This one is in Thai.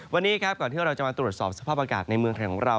วันนี้ครับก่อนที่เราจะมาตรวจสอบสภาพอากาศในเมืองไทยของเรา